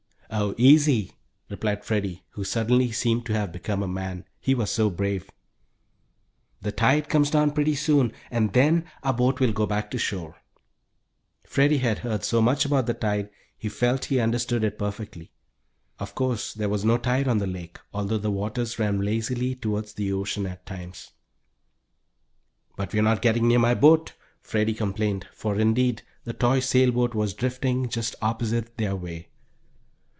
"Oh, easy!" replied Freddie, who suddenly seemed to have become a man, he was so brave. "The tide comes down pretty soon, and then our boat will go back to shore." Freddie had heard so much about the tide he felt he understood it perfectly. Of course, there was no tide on the lake, although the waters ran lazily toward the ocean at times. "But we are not getting near my boat," Freddie complained, for indeed the toy sailboat was drifting just opposite their way.